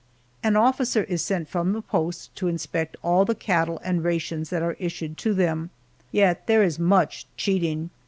An officer is sent from the post to inspect all the cattle and rations that are issued to them yet there is much cheating.